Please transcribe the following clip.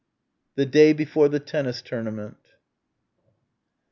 The day before the tennis tournament.